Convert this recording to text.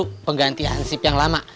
itu penggantian hansip yang lama